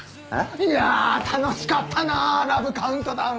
いや楽しかったなラブ・カウントダウン。